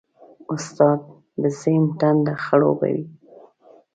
استاد د ذهن تنده خړوبوي.